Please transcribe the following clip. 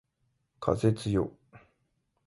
風つよ